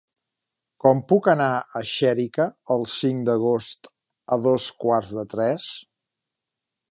Com puc anar a Xèrica el cinc d'agost a dos quarts de tres?